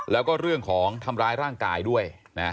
แล้วก็เรื่องของทำร้ายร่างกายด้วย